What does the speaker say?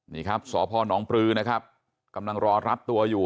นี่ครับสพนปลือนะครับกำลังรอรับตัวอยู่